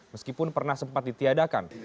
meskipun pernah sempat ditiadakan